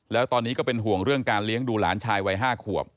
แล้วตอนนี้ก็เป็นห่วงเรื่องการเลี้ยงดูหลานชายวัย๕ขวบ